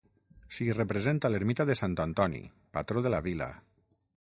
S'hi representa l'ermita de Sant Antoni, patró de la vila.